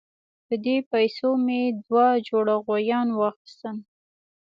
په دې پیسو مې دوه جوړه غویان واخیستل.